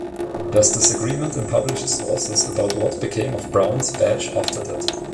There is disagreement in published sources about what became of Brown's badge after that.